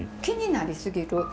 気になり過ぎる。